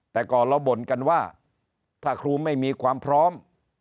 แต่ก่อนเราบ่นกันว่าถ้าครูไม่มีความพร้อม